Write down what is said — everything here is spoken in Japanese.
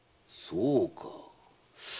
そうか。